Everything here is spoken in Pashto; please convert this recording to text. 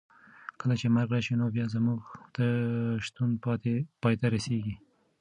کله چې مرګ راشي نو بیا زموږ شتون پای ته رسېږي.